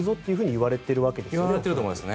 言われていると思いますね。